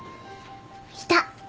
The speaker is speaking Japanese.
いた。